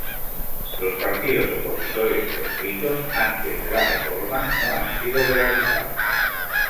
Los partidos opositores proscritos antes de la reforma no han sido legalizados.